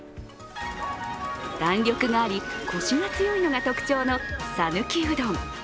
弾力があり、コシが強いのが特徴の讃岐うどん。